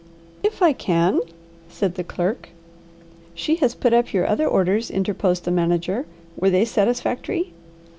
"If I can," said the clerk. "She has put up your other orders," interposed the manager; "were they satisfactory?"